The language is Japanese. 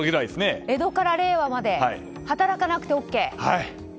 江戸から令和まで働かなくてＯＫ。